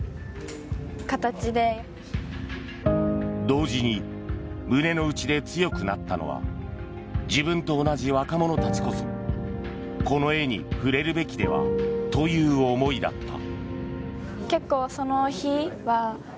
同時に胸の内で強くなったのは自分と同じ若者たちこそこの絵に触れるべきではという思いだった。